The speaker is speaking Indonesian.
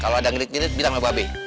kalo ada ngerit nirit bilang ke mbak be